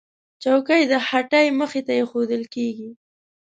چوکۍ د هټۍ مخې ته ایښودل کېږي.